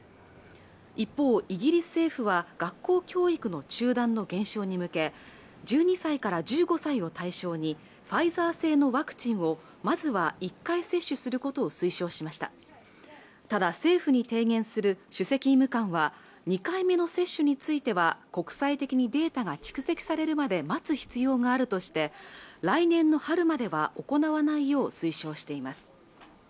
一方イギリス政府は学校教育の中断の減少に向け１２歳から１５歳を対象にファイザー製のワクチンをまずは１回接種することを推奨しましたただ政府に提言する主席医務官は２回目の接種については国際的にデータが蓄積されるまで待つ必要があるとして来年の春までは行わないよう推奨しています